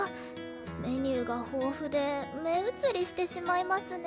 メニューが豊富で目移りしてしまいますねえ。